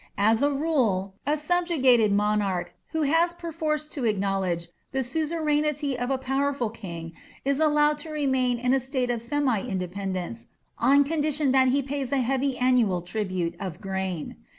As a rule, a subjugated monarch who has perforce to acknowledge the suzerainty of a powerful king is allowed to remain in a state of semi independence on condition that he pays a heavy annual tribute of grain.